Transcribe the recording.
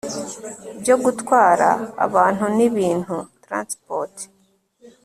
byo gutwara abantu n' ibintu (transport)